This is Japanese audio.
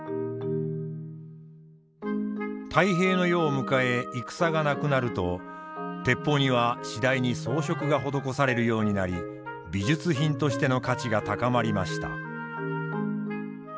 太平の世を迎え戦がなくなると鉄砲には次第に装飾が施されるようになり美術品としての価値が高まりました。